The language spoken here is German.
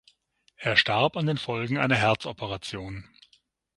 Er starb an den Folgen einer Herzoperation.